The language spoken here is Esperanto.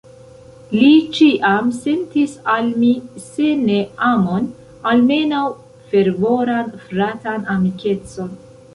Li ĉiam sentis al mi, se ne amon, almenaŭ fervoran fratan amikecon.